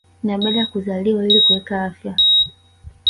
na baada ya kuzaliwa ili kuweka afya